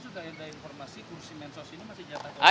kalau dari golkar sendiri sudah ada informasi kursi mensos ini masih jatah